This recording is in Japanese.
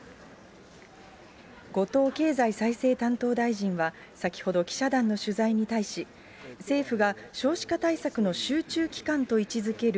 後藤経済再生担当大臣は、先ほど記者団の取材に対し、政府が少子化対策の集中期間と位置づける